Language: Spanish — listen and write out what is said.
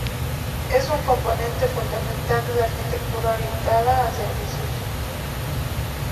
Es un componente fundamental de la Arquitectura Orientada a Servicios.